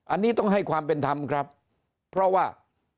อันนี้ต้องให้ความเป็นธรรมครับเพราะว่า